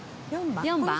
４番？